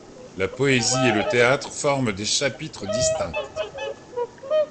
La poésie et le théâtre forment des chapitres distincts.